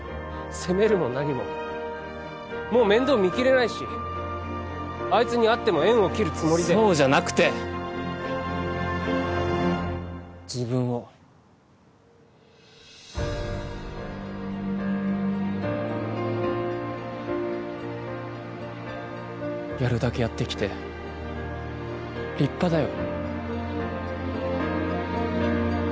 責めるも何ももう面倒見きれないしあいつに会っても縁を切るつもりでそうじゃなくて自分をやるだけやってきて立派だよ